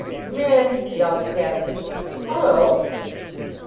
"Come in!" yelled the captain. "Hullo!"